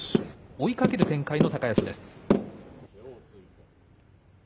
追いかける展開の高安です。